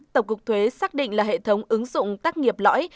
tổng cục thuế xác định là hệ thống ứng dụng tác nghiệp lõi